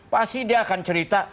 pasti dia akan cerita